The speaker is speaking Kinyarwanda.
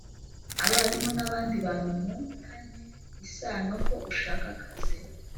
abarimu n abandi bantu mu tanye isano ko ushaka akazi